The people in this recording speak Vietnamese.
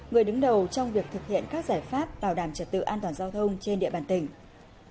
người đứng đầu trong việc thực hiện các giải pháp bảo đảm trật tự an toàn giao thông trên địa bàn tỉnh